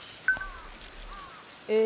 え